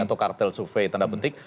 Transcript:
atau kartel survei tanda penting